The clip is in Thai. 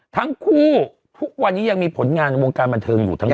ทั้งคู่ทุกวันนี้ยังมีผลงานในวงการบันเทิงอยู่ทั้งคู่